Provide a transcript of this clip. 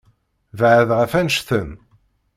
Beɛɛed ɣef annect-en.